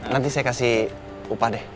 nanti saya kasih upah deh